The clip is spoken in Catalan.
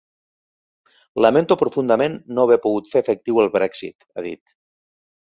Lamento profundament no haver pogut fer efectiu el Brexit, ha dit.